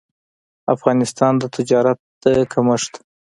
افغانستان د تجارت د کمښت